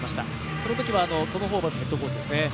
そのときはトム・ホーバスヘッドコーチですね。